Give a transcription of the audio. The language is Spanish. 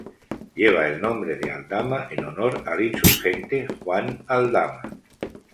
Lleva el nombre de Aldama en honor al insurgente Juan Aldama.